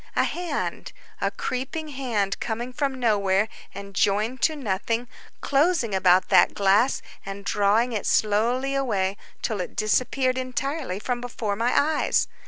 A hand, a creeping hand coming from nowhere and joined to nothing, closing about that glass and drawing it slowly away till it disappeared entirely from before my eyes!